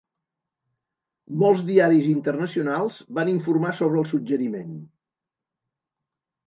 Molts diaris internacionals van informar sobre el suggeriment.